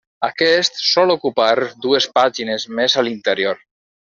Aquest sol ocupar dues pàgines més a l'interior.